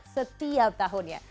amerika serikat setiap tahunnya